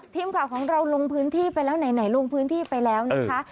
ทีมข่าวของเราลงพื้นที่ไปแล้วไหนลงพื้นที่ไปแล้วนะคะ